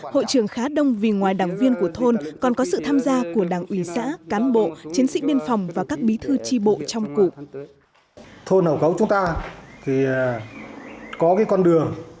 hội trưởng khá đông vì ngoài đảng viên của thôn còn có sự tham gia của đảng ủy xã cán bộ chiến sĩ biên phòng và các bí thư tri bộ trong cụ